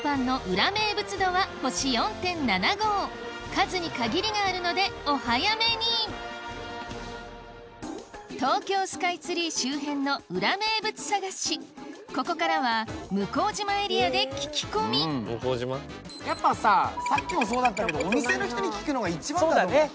裏名物度は星４．７５数に限りがあるのでお早めに東京スカイツリー周辺の裏名物探しここからは向島エリアで聞き込みやっぱさっきもそうだったけどお店の人に聞くのが一番だと思う。